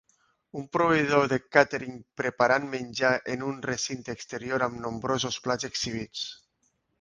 Un proveïdor de càtering preparant menjar en un recinte exterior amb nombrosos plats exhibits.